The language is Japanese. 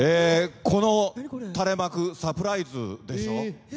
この垂れ幕サプライズでしょ。